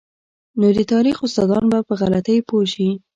نو د تاریخ استادان به په غلطۍ پوه شي.